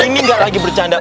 ini gak lagi bercanda